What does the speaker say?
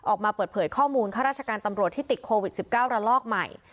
ออกมาเปิดเผยข้อมูลข้าราชการตำรวจที่ติดโควิด๑๙ระลอกใหม่